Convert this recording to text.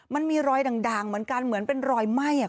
มันมีรอยด่างเหมือนกันเหมือนเป็นรอยไหม้